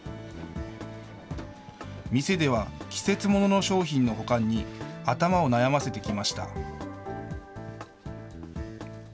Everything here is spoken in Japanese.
店では、季節ものの商品の保管に頭を悩ませてきました。